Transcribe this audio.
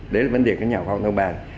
đấy là vấn đề của nhà khoa học nông bàn